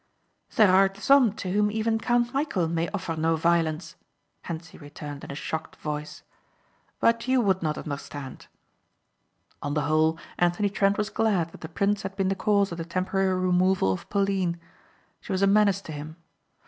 "There are some to whom even Count Michæl may offer no violence," Hentzi returned in a shocked voice. "But you would not understand." On the whole Anthony Trent was glad that the prince had been the cause of the temporary removal of Pauline. She was a menace to him.